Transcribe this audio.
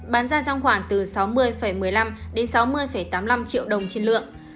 bán ra trong khoảng từ sáu mươi một mươi năm đến sáu mươi tám mươi năm triệu đồng trên lượng